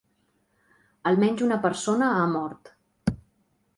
Almenys una persona ha mort.